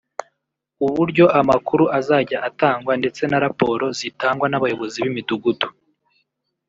uburyo amakuru azajya atangwa ndetse na raporo zitangwa n’abayobozi b’imidugudu